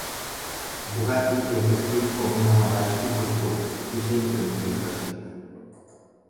Bugatti és descrit com un home baix i corpulent, i sempre ben vestit.